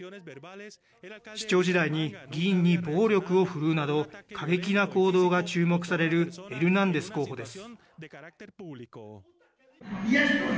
市長時代に議員に暴力を振るうなど、過激な行動が注目されるエルナンデス候補です。